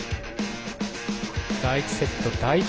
第１セット、第１